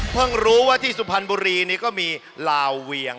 รู้ว่าที่สุพรรณบุรีนี่ก็มีลาวเวียง